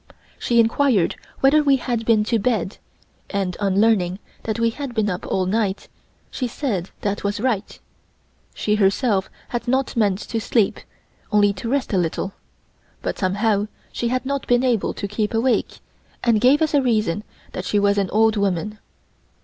She inquired whether we had been to bed and, on learning that we had been up all night, she said that was right. She herself had not meant to sleep, only to rest a little, but somehow she had not been able to keep awake, and gave as a reason that she was an old woman.